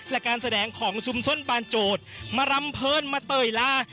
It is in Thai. และการแสดงของซุมส้นปานโจทย์มารำเพลินมาเตยลา